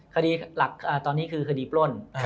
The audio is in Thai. คดีหลักตอนนี้คือคดีปล้น